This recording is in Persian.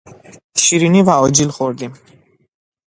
شیرینی و آجیل خوردیم.